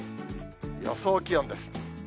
予想気温です。